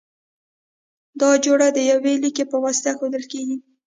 دا جوړه د یوه لیکي په واسطه ښودل کیږی.